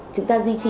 chúng ta duy trì